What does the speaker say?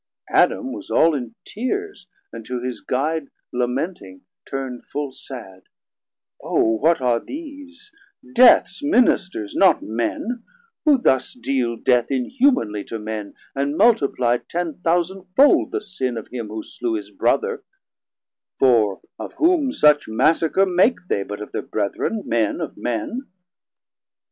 Adam was all in tears, and to his guide 670 Lamenting turnd full sad; O what are these, Deaths Ministers, not Men, who thus deal Death Inhumanly to men, and multiply Ten thousand fould the sin of him who slew His Brother; for of whom such massacher Make they but of thir Brethren, men of men?